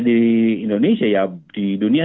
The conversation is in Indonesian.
di indonesia ya di dunia